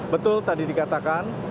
betul tadi dikatakan